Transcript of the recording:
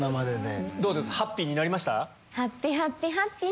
どうですかハッピーになりました？